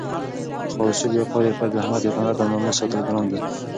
خو اصول، وقار، عفت، زحمت، قناعت او ناموس ساتل ګران دي